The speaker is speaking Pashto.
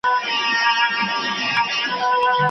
هر فرعون لره موسی دی هر نمرود سره یې جنګ دی